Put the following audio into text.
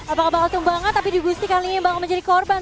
apakah bantung banget tapi dewi gusti kali ini bakal menjadi korban